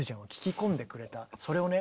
それをね